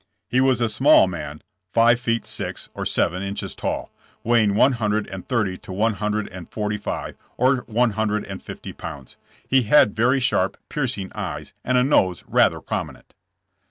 '' He was a small man, five feet six or seven inches tall, weighing one hundred and thirty to one hundred and forty five or one hundred and fifty pounds. He had very sharp, piercing eyes, and a nose rather prominent."